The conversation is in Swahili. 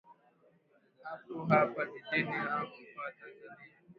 hapo hapa jijini hapa tanzania